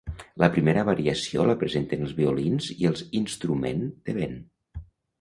La primera variació la presenten els violins i els instrument de vent.